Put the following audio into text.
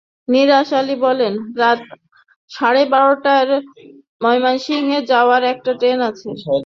নিসার আলি বললেন, রাত সাড়ে দশটায় ময়মনসিংহে যাওয়ার একটা ট্রেন আছে।